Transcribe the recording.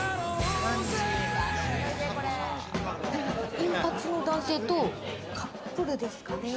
金髪の男性と、カップルですかね。